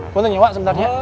buat nanya wak sebentaknya